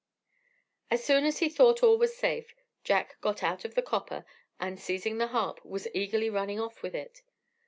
As soon as he thought all was safe, Jack got out of the copper, and seizing the harp, was eagerly running off with it.